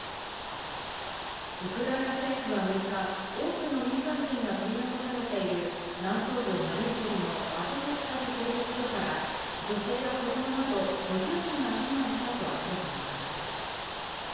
ウクライナ政府は６日、多くの民間人が取り残されている南東部マリウポリのアゾフスタリ製鉄所から女性や子供など５０人が避難したと明らかにしました。